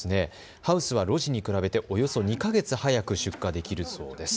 ハウスは露地に比べておよそ２か月早く出荷できるそうです。